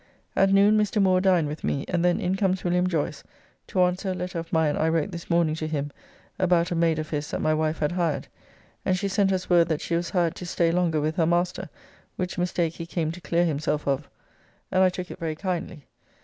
At noon Mr. Moore dined with me, and then in comes Wm. Joyce to answer a letter of mine I wrote this morning to him about a maid of his that my wife had hired, and she sent us word that she was hired to stay longer with her master, which mistake he came to clear himself of; and I took it very kindly.